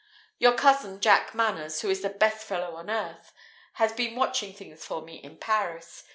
Your Cousin Jack Manners, who is the best fellow on earth, has been watching things for me in Paris.